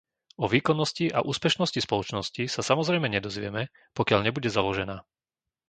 O výkonnosti a úspešnosti spoločnosti sa samozrejme nedozvieme, pokiaľ nebude založená.